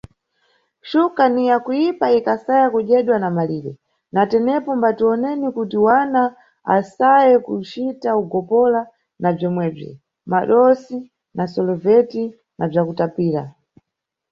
Xuka ni yakuyipa ikasaya kudyedwa na malire, na tenepo mbatiwone kuti wana asaye kucita ugopola na bzomwebzi, madosi na soloveti na bzakutapira.